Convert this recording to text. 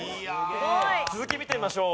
すごい！続き見てみましょう。